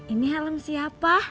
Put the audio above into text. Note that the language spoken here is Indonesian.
ini helm siapa